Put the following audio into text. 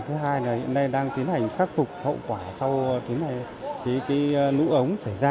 thứ hai là hiện nay đang tiến hành khắc phục hậu quả sau lũ ống xảy ra